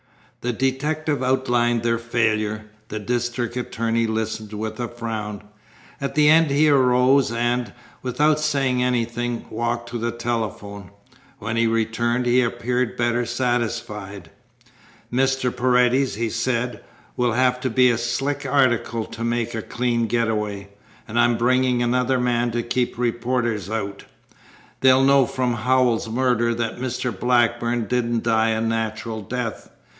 The detective outlined their failure. The district attorney listened with a frown. At the end he arose and, without saying anything, walked to the telephone. When he returned he appeared better satisfied. "Mr. Paredes," he said, "will have to be a slick article to make a clean getaway. And I'm bringing another man to keep reporters out. They'll know from Howells's murder that Mr. Blackburn didn't die a natural death.